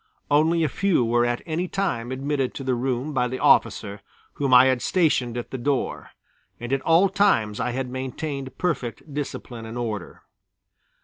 Only a few were at any time admitted to the room by the officer, whom I had stationed at the door, and at all times I had maintained perfect discipline and order.